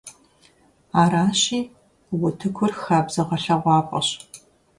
Аращи, утыкур хабзэ гъэлъэгъуапӀэщ.